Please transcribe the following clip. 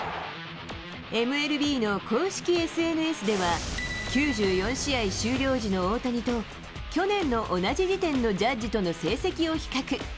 ＭＬＢの公式ＳＮＳでは９４試合終了時の大谷と、去年の同じ時点のジャッジとの成績を比較。